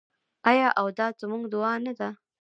آیا او دا زموږ دعا نه ده؟